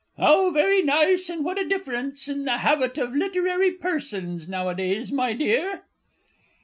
How very nice, and what a difference in the habit of literary persons nowadays, my dear!